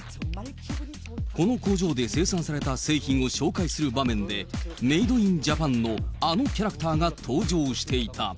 この工場で生産された製品を紹介する場面で、メイド・イン・ジャパンのあのキャラクターが登場していた。